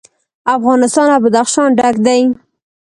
افغانستان له بدخشان ډک دی.